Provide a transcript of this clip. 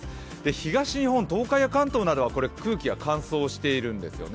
東日本、東海や関東などは空気が乾燥しているんですよね。